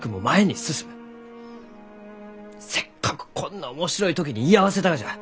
せっかくこんな面白い時に居合わせたがじゃ。